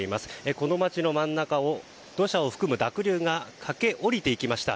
この町の真ん中を土砂を含む濁流が駆け下りていきました。